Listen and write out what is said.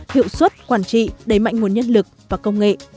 hiệu suất quản trị đầy mạnh nguồn nhân lực và công nghệ